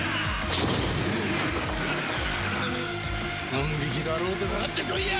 何匹だろうとかかってこいや！